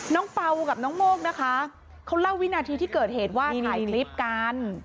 เป่ากับน้องโมกนะคะเขาเล่าวินาทีที่เกิดเหตุว่าถ่ายคลิปกัน